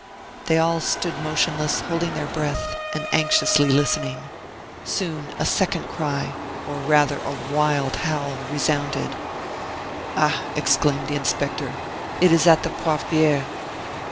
They all stood motionless, holding their breath, and anxiously listening. Soon a second cry, or rather a wild howl, resounded. "Ah!" exclaimed the inspector, "it is at the Poivriere."